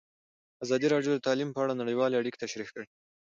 ازادي راډیو د تعلیم په اړه نړیوالې اړیکې تشریح کړي.